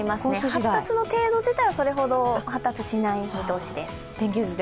発達の程度自体はそれほど発達しない見通しです。